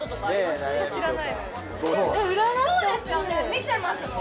見てますもん。